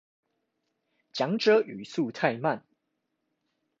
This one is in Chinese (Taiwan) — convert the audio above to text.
講者語速太慢